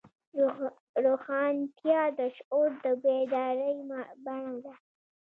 روښانتیا د شعور د بیدارۍ بڼه ده.